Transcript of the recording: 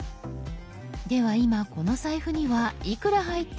では今この財布にはいくら入っているんでしょうか？